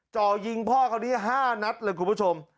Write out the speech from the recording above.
จ่อยิงพ่อเขานี้๕นัดเลยคุณผู้ชม